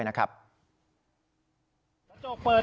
ขึ้นมาแล้วหนึ่ง